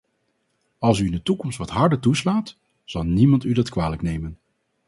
Als u in de toekomst wat harder toeslaat, zal niemand u dat kwalijk nemen.